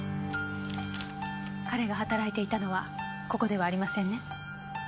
彼が働いていたのはここではありませんね？